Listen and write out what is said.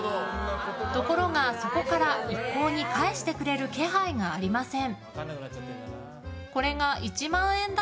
ところが、そこから一向に返してくれる気配がありません。